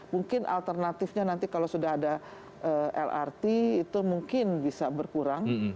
mungkin alternatifnya nanti kalau sudah ada lrt itu mungkin bisa berkurang